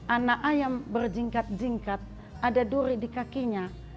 anak ayam berjingkat jingkat ada duri di kakinya